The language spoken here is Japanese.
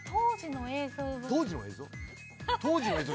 当時の映像？